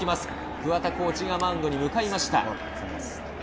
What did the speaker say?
桑田コーチがマウンドに向かいました。